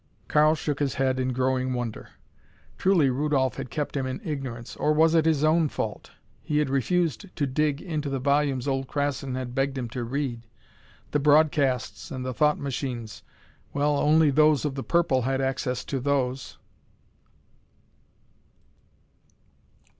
Karl shook his head in growing wonder. Truly Rudolph had kept him in ignorance. Or was it his own fault? He had refused to dig into the volumes old Krassin had begged him to read. The broadcasts and the thought machines well, only those of the purple had access to those.